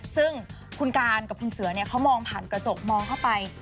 ซึ่งคุณการกับคุณเสือเขามองผ่านกระจกมองเข้าไป